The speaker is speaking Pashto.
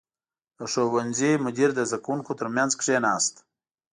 • د ښوونځي مدیر د زده کوونکو تر منځ کښېناست.